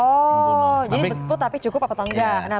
oh jadi betul tapi cukup atau nggak